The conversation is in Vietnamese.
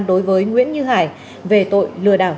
đối với nguyễn như hải về tội lừa đảo